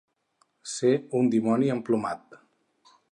Ser un dimoni emplomat.